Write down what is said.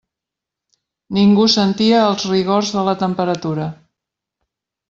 Ningú sentia els rigors de la temperatura.